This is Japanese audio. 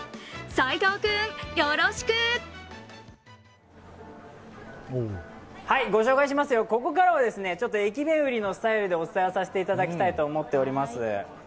齋藤君、よろしく！ご紹介しますよ、ここからは駅弁売りのスタイルでお伝えしていきたいと思います。